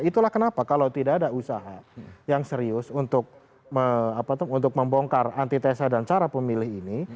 itulah kenapa kalau tidak ada usaha yang serius untuk membongkar antitesa dan cara pemilih ini